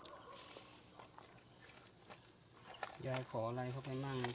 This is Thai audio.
เวียนหัวไม่มาหรอกลูกไม่มาหรอกลูกไม่มาหรอก